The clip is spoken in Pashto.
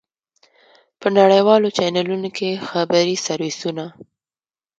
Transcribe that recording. په نړیوالو چېنلونو کې خبري سرویسونه.